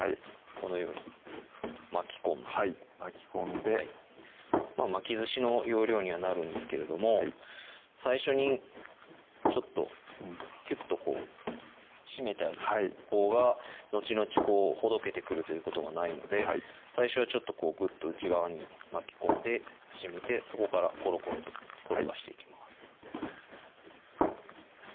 このように巻き込んで巻き込んで巻きずしの要領にはなるんですけれども最初にちょっときゅっとこう締めてあげるほうがのちのちほどけてくるということがないので最初はちょっとグッと内側に巻き込んで締めてそこからコロコロと転がしていきます